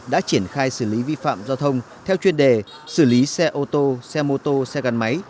đã triển khai xử lý vi phạm giao thông theo chuyên đề xử lý xe ô tô xe mô tô xe gắn máy